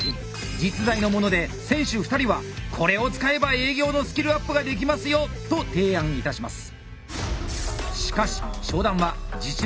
実在のもので選手２人は「これを使えば営業のスキルアップができますよ」と提案いたします。